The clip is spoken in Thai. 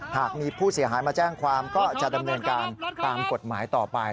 หากมีผู้เสียหายมาแจ้งความก็จะดำเนินการตามกฎหมายต่อไป